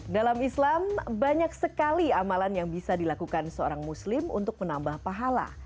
dalam islam banyak sekali amalan yang bisa dilakukan seorang muslim untuk menambah pahala